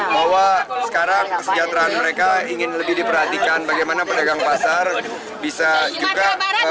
bahwa sekarang kesejahteraan mereka ingin lebih diperhatikan bagaimana pedagang pasar bisa juga